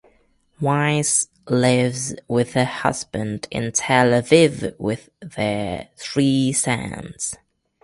Weiss lives with her husband in Tel Aviv with their three sons.